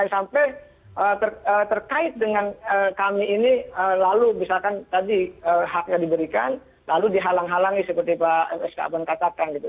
sampai terkait dengan kami ini lalu misalkan tadi haknya diberikan lalu dihalang halangi seperti pak sk aman katakan gitu